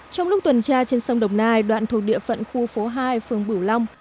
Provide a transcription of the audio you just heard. trong lúc tuần tra trên sông đồng nai đoạn thuộc địa phận khu phố hai phường bửu long